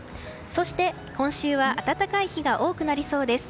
そして、今週は暖かい日が多くなりそうです。